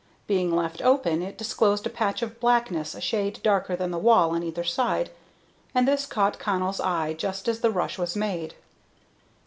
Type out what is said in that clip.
Being left open, it disclosed a patch of blackness a shade darker than the wall on either side, and this caught Connell's eye just as the rush was made.